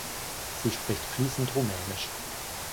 Sie spricht fließend rumänisch.